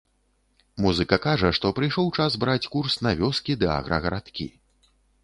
Музыка кажа, што прыйшоў час браць курс на вёскі ды аграгарадкі.